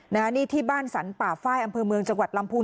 นี่ที่บ้านสรรป่าไฟอำเภอเมืองจังหวัดลำพูน